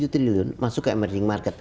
tujuh triliun masuk ke emerging market